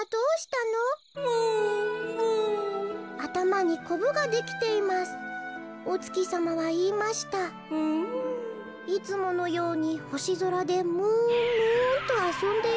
「あたまにこぶができていますおつきさまはいいましたいつものようにほしぞらでムーンムーンとあそんでいたら」。